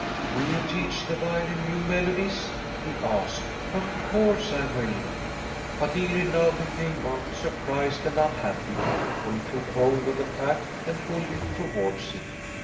'Will you teach the violin new melodies?' he asked. * Of course I will.' But Inerid now became both surprised and unhappy, tor be took hold of the pack and pulled it towards him.